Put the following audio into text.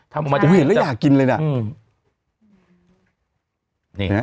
ทำมาเยอะจังนะพี่ยุทธ์อุ้ยเห็นแล้วอยากกินเลยน่ะ